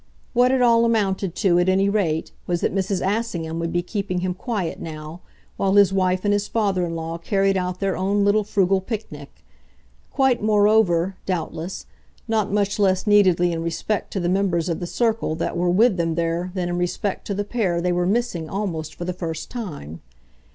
What it all amounted to, at any rate, was that Mrs. Assingham would be keeping him quiet now, while his wife and his father in law carried out their own little frugal picnic; quite moreover, doubtless, not much less neededly in respect to the members of the circle that were with them there than in respect to the pair they were missing almost for the first time.